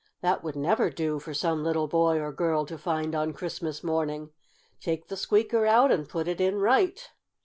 That would never do for some little boy or girl to find on Christmas morning! Take the squeaker out and put it in right."